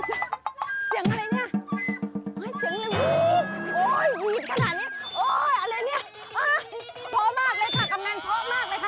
เสียงอะไรนี่